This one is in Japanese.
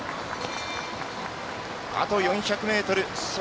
あと４００ｍ。